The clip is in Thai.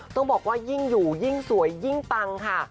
ต้องบอกว่ายิ่งอยู่ยิ่งสวยยิ่งปังค่ะ